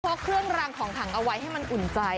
เครื่องรางของขังเอาไว้ให้มันอุ่นใจ